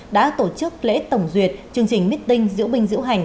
đã tổ chức lễ tổng duyệt chương trình miết tinh diễu binh diễu hành